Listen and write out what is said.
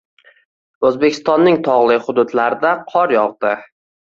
Oʻzbekistonning togʻli hududlarida qor yogʻdi.